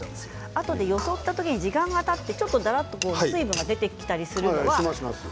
あとでよそった時に時間がたっちゃって、だらっと水分が出てきちゃったりするのは。